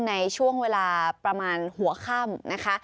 ในช่วงเวลาประมาณหัวข้ำ